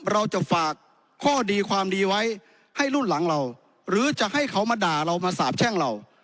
เราจะฝากข้อดีความดีไว้ให้รุ่นหลังเราหรือจะให้เขามาด่าเรามาสาบแช่งเรา